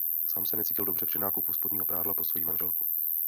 Sám se necítil dobře při nákupu spodního prádla pro svoji manželku.